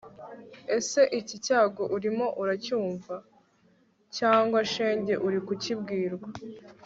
ese iki cyago urimo uracyumva ,cg shenge uri kukibwirwa